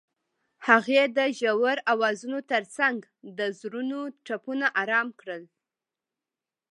هغې د ژور اوازونو ترڅنګ د زړونو ټپونه آرام کړل.